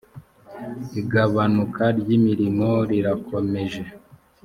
igabanuka ryimirimo rirakomeje.